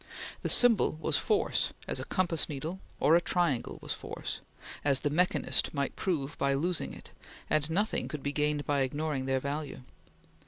The symbol was force, as a compass needle or a triangle was force, as the mechanist might prove by losing it, and nothing could be gained by ignoring their value.